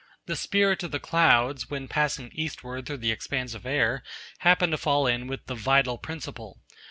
The Spirit of the Clouds, when passing eastward through the expanse of air, happened to fall in with the Vital Principle.